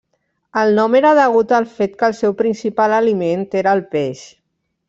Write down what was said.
El nom era degut al fet que el seu principal aliment era el peix.